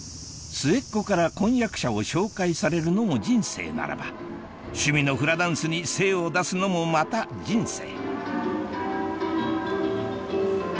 末っ子から婚約者を紹介されるのも人生ならば趣味のフラダンスに精を出すのもまた人生